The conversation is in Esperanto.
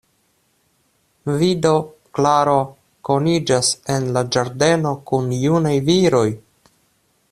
Vi do, Klaro, koniĝas en la ĝardeno kun junaj viroj?